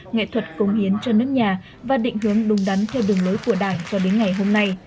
nghệ thuật công hiến cho nước nhà và định hướng đúng đắn theo đường lối của đảng cho đến ngày hôm nay